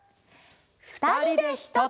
「ふたりでひとつ」。